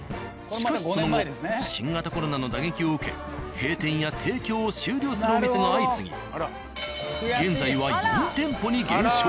しかしその後新型コロナの打撃を受け閉店や提供を終了するお店が相次ぎ現在は４店舗に減少。